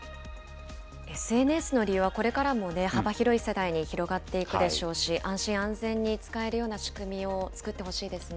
ＳＮＳの利用はこれからも幅広い世代に広がっていくでしょうし、安心・安全に使えるような仕組みを作ってほしいですね。